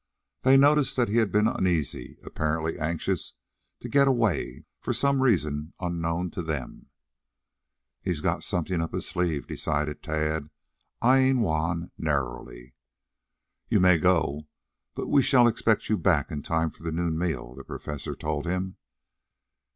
They noticed that he had been uneasy, apparently anxious to get away for some reason unknown to them. "He's got something up his sleeve," decided Tad, eyeing Juan narrowly. "You may go, but we shall expect you back in time for the noon meal," the Professor told him.